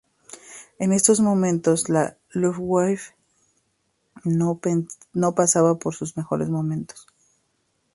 En estos momentos la Luftwaffe no pasaba por sus mejores momentos.